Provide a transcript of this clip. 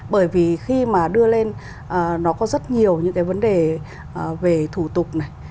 bởi vì khi mà đưa lên nó có rất nhiều những cái vấn đề về thủ tục này